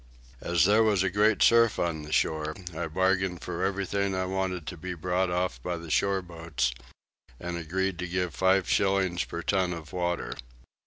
As there was a great surf on the shore I bargained for everything I wanted to be brought off by the shore boats, and agreed to give five shillings per ton for water.